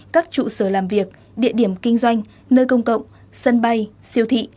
các trụ sở làm việc địa điểm kinh doanh nơi công cộng sân bay siêu thị